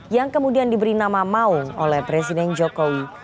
yang kemudian diberi nama maung oleh presiden jokowi